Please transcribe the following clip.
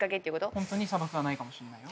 ホントに砂漠はないかもしんないよ